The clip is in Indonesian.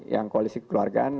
yang koalisi kekeluargaan